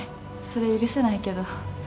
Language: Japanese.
そりゃ許せないけど。